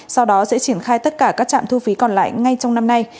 sau đó sẽ triển khai tất cả các trạm thu phí còn lại ngay trong năm nay